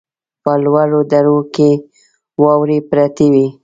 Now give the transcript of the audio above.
په لوړو درو کې واورې پرتې وې.